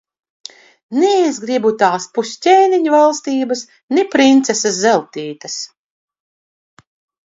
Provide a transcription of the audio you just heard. Ni es gribu tās pusķēniņa valstības, ni princeses Zeltītes.